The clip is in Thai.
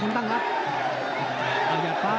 เข้าไปชนแท่ขวา